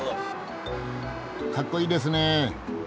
かっこいいですね！